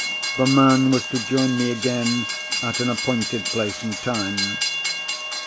The man was to join me again at an appointed place and time.